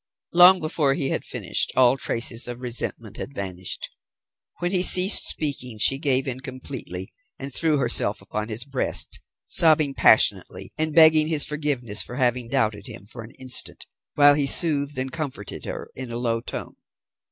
Long before he had finished, all traces of resentment had vanished. When he ceased speaking, she gave in completely, and threw herself upon his breast, sobbing passionately, and begging his forgiveness for having doubted him for an instant, while he soothed and comforted her in a low tone.